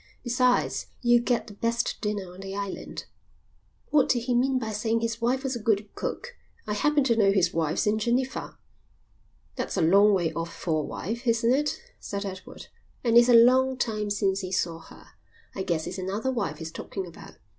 "Besides, you'll get the best dinner on the island." "What did he mean by saying his wife was a good cook? I happen to know his wife's in Geneva." "That's a long way off for a wife, isn't it?" said Edward. "And it's a long time since he saw her. I guess it's another wife he's talking about."